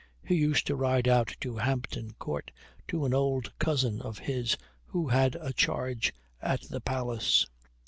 He used to ride out to Hampton Court to an old cousin of his, who had a charge at the Palace.